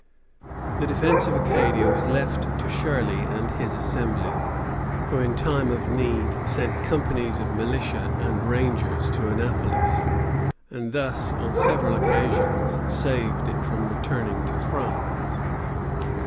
The defence of Acadia was left to Shirley and his Assembly, who in time of need sent companies of militia and rangers to Annapolis, and thus on several occasions saved it from returning to France.